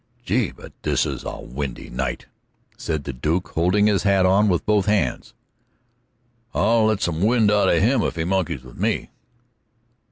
"Gee, but this is a windy night!" said the Duke, holding his hat on with both hands. "I'll let some of the wind out of him if he monkeys with me!"